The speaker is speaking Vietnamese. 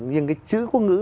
nhưng cái chữ quốc ngữ